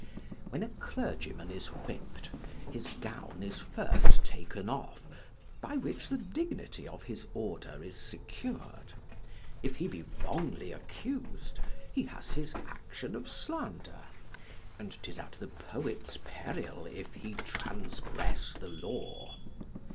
When a clergyman is whipp'd, his gown is first taken off, by which the dignity of his order is secur'd: if he be wrongfully accus'd, he has his action of slander; and 'tis at the poet's peril if he transgress the law.